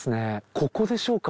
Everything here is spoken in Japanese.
ここでしょうか？